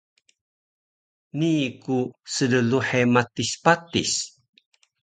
Nii ku slluhe matis patis